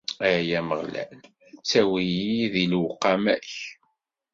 Ay Ameɣlal, ttawi-yi di lewqama-k.